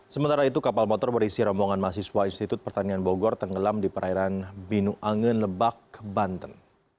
sementara itu kapal motor berisi rombongan mahasiswa institut pertanian bogor tenggelam di perairan binu angen lebak banten